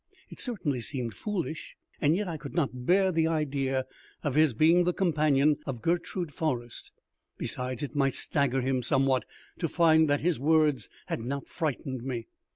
It certainly seemed foolish, and yet I could not bear the idea of his being the companion of Gertrude Forrest. Besides, it might stagger him somewhat to find that his words had not frightened me.